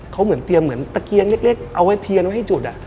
เคาร์เหมือนเตียงแม่งเอาเงินไว้ทีนไว้ให้จุด